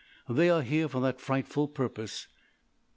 They are here for that frightful purpose.